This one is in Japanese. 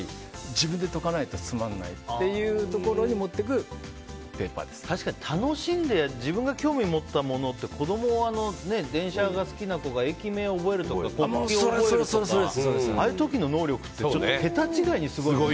自分で解かないとつまらないというところに確かに楽しんで自分が興味持ったものって子供は電車が好きな子が駅名を覚えるとか国旗を覚えるとかああいう時の能力ってちょっと桁違いにすごい。